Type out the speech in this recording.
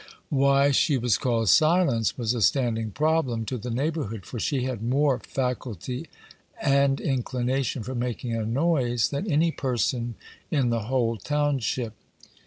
Why she was called Silence was a standing problem to the neighborhood; for she had more faculty and inclination for making a noise than any person in the whole township.